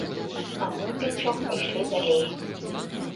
А мы ўпяцёх пайшлі далей.